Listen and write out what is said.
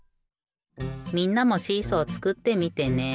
みんなもシーソーつくってみてね。